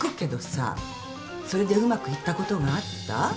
それでうまくいったことがあった？